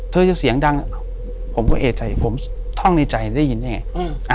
เธอจะเสียงดังผมก็เอกใจผมท่องในใจได้ยินได้ไง